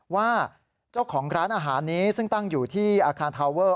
ว่าเจ้าของร้านอาหารนี้ซึ่งตั้งอยู่ที่อาคารทาวเวอร์